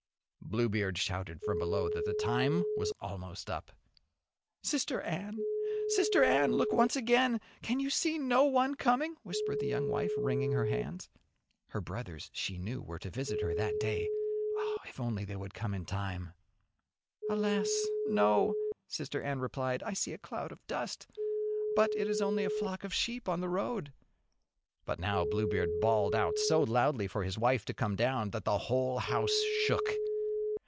Bluebeard shouted from below that the time was almost up. "Sister Anne, Sister Anne, look once again, can you see no one coming?" whispered the young wife wringing her hands. Her brothers, she knew, were to visit her that day if only they would come in time! "Alas, No!" Sister Anne replied. "I see a cloud of dust, but it is only a flock of sheep on the road." But now Bluebeard bawled out so loudly for his wife to come down, that the whole house shook.